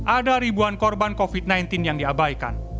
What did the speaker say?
ada ribuan korban covid sembilan belas yang diabaikan